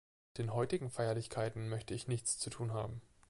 Mit den heutigen Feierlichkeiten möchte ich nichts zu tun haben.